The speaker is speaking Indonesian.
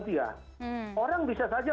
dia orang bisa saja